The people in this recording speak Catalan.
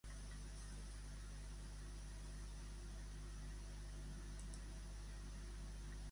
Ribó reivindica les policies valentes de Compromís en l'acte central de campanya.